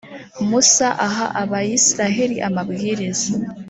musa aha abayisraheli amabwiriza